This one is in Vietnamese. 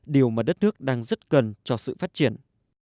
điều mà đất nước đang rất cần cho sự phát triển